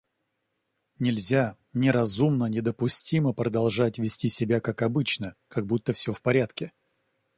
Нельзя, неразумно недопустимо продолжать вести себя как обычно, как будто все в порядке.